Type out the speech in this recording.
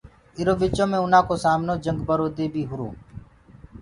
اِرو ٻِچو مي اُنآ ڪو سامنو جھنگ برو دي بي هُرو۔